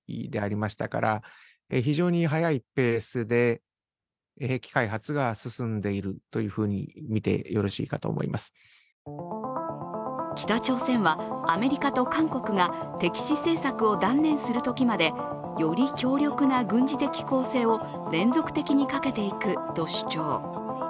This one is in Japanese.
北朝鮮の兵器開発について専門家は北朝鮮はアメリカと韓国が敵視政策を断念するときまでより強力な軍事的攻勢を連続的にかけていくと強調。